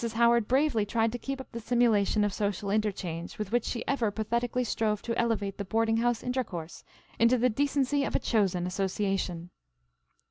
Howard bravely tried to keep up the simulation of social interchange with which she ever pathetically strove to elevate the boarding house intercourse into the decency of a chosen association.